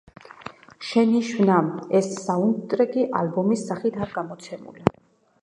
შენიშვნა: ეს საუნდტრეკი ალბომის სახით არ გამოცემულა.